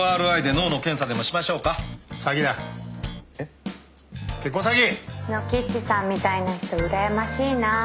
ノキッチさんみたいな人うらやましいなぁ